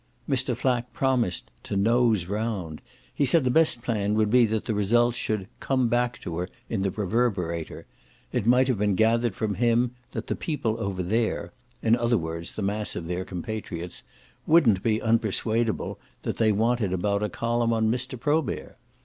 Mr. Flack promised to "nose round"; he said the best plan would be that the results should "come back" to her in the Reverberator; it might have been gathered from him that "the people over there" in other words the mass of their compatriots wouldn't be unpersuadable that they wanted about a column on Mr. Probert.